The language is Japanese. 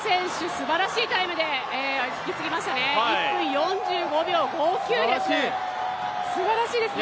すばらしいタイムで引き継ぎましたね、１分４５秒５９です、すばらしいですね。